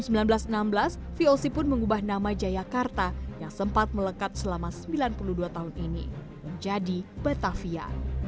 kekonsolsi pun mengubah nama jayakarta yang sempat melekat selama sembilan puluh dua tahun ini menjadi batavia